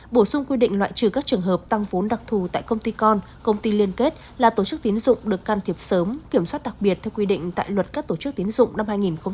bổ sung quy định loại trừ các trường hợp tăng vốn đặc thù tại công ty con công ty liên kết là tổ chức tiến dụng được can thiệp sớm kiểm soát đặc biệt theo quy định tại luật các tổ chức tiến dụng năm hai nghìn một mươi bốn